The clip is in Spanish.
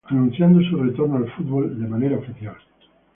Anunciando su retorno al fútbol de manera oficial.